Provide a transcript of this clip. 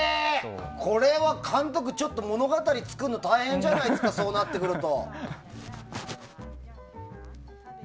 これは監督、物語作るの大変じゃないですかそうなってくると。